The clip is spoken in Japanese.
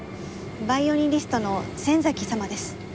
バイオリニストの仙崎様です。